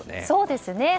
そうですね。